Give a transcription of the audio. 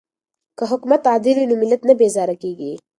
که حکومت عادل وي نو ملت نه بیزاره کیږي.